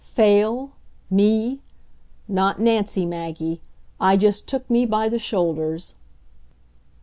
Fail? Me? Not Nancy, Maggie. I just took me by the shoulders.